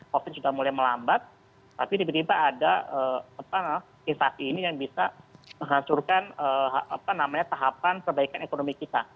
covid sudah mulai melambat tapi tiba tiba ada invasi ini yang bisa menghancurkan tahapan perbaikan ekonomi kita